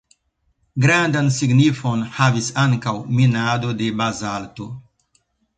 Grandan signifon havis ankaŭ minado de bazalto.